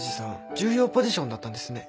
重要ポジションだったんですね。